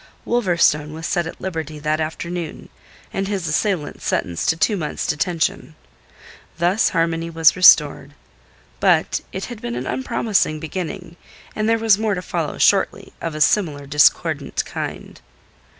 Wolverstone was set at liberty that afternoon, and his assailant sentenced to two months' detention. Thus harmony was restored. But it had been an unpromising beginning, and there was more to follow shortly of a similar discordant kind.